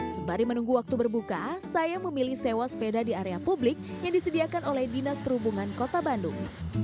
sembari menunggu waktu berbuka saya memilih sewa sepeda di area publik yang disediakan oleh dinas perhubungan kota bandung